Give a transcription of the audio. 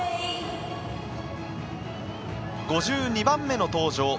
５２番目の登場